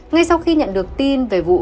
ngay sau khi nhận được tin về vụ